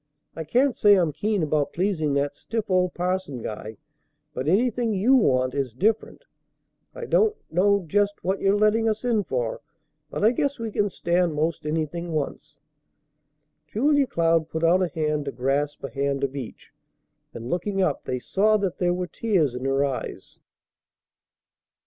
I can't say I'm keen about pleasing that stiff old parson guy, but anything you want is different. I don't know just what you're letting us in for, but I guess we can stand most anything once." Julia Cloud put out a hand to grasp a hand of each; and, looking up, they saw that there were tears in her eyes.